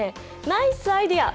ナイスアイデア！